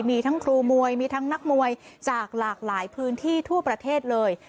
มีทั้งครูมวยมีทั้งนักมวยจากหลากหลายพื้นที่ทั่วประเทศเลย